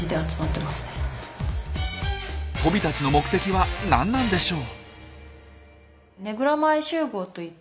トビたちの目的は何なんでしょう？